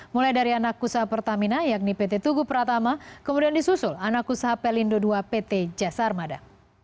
mulai dari anak usaha pertamina yakni pt tugu pratama kemudian disusul anak usaha pelindo ii pt jasar mada